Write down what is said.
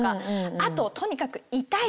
あととにかく痛い。